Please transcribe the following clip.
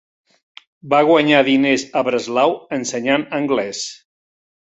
Va guanyar diners a Breslau ensenyant anglès.